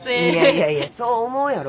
いやいやそう思うやろ？